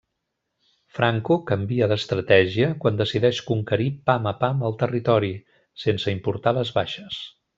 Franco canvia d'estratègia quan decideix conquerir pam a pam el territori, sense importar les baixes.